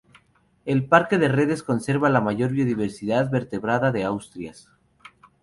El parque de Redes conserva la mayor biodiversidad vertebrada de Asturias.